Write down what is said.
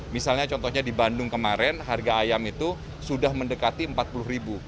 misalnya contohnya di bandung kemarin harga ayam itu sudah mendekati rp empat puluh